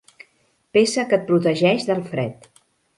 Peça que et protegeix del fred.